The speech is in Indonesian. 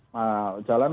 nah jalan jalan ini